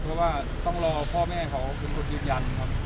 เพราะว่าต้องรอพ่อแม่เขาเป็นคนยืนยันครับ